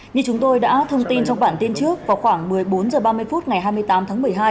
như chúng tôi đã thông tin trong bản tin trước vào khoảng một mươi bốn h ba mươi phút ngày hai mươi tám tháng một mươi hai